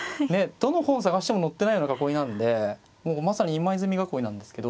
どの本探しても載ってないような囲いなんでもうまさに今泉囲いなんですけど。